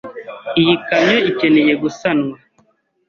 Iyi kamyo ikeneye gusanwa.